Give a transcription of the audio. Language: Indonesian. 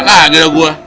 kenal aja ya gua